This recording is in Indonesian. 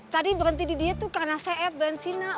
tadi berhenti di diet tuh karena saya bensin nah